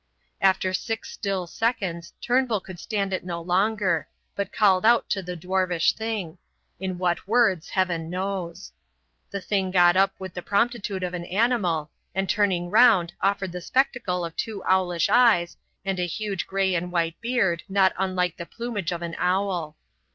After six still seconds Turnbull could stand it no longer, but called out to the dwarfish thing in what words heaven knows. The thing got up with the promptitude of an animal, and turning round offered the spectacle of two owlish eyes and a huge grey and white beard not unlike the plumage of an owl.